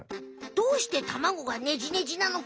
どうして卵がネジネジなのか？